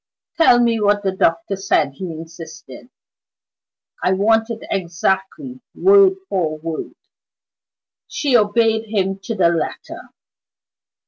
"Tell me what the doctor said," he insisted; "I want it exactly, word for word." She obeyed him to the letter.